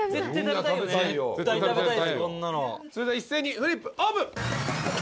それでは一斉にフリップオープン。